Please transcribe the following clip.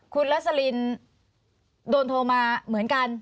คุณลัสลินโดนโทรมาเหมือนกัน